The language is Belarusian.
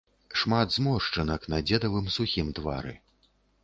Шмат зморшчынак на дзедавым сухім твары.